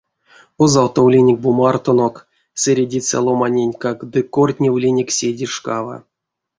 Озавтовлинек бу мартонок сэредиця ломанентькак ды кортневлинек седейшкава.